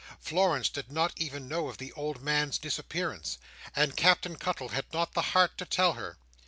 Florence did not even know of the old man's disappearance, and Captain Cuttle had not the heart to tell her.